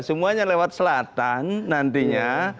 semuanya lewat selatan nantinya